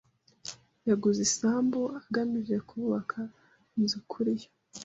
Yaguze isambu agamije kubaka inzu kuri yo.